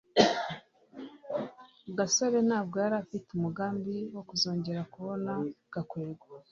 gasore ntabwo yari afite umugambi wo kuzongera kubona gakwego